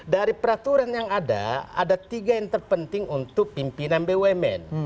dari peraturan yang ada ada tiga yang terpenting untuk pimpinan bumn